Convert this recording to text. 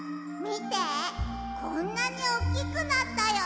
みてこんなにおっきくなったよ。